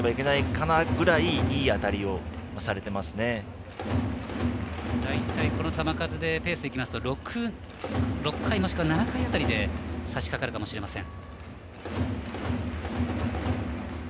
このペースの球数でいきますと６回もしくは７回辺りで、さしかかるかもしれません。